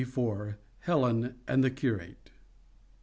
HELEN AND THE CURATE.